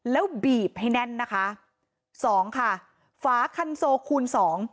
แล้วบีบให้แน่นนะคะสองค่ะฝาคันโซคูณสอง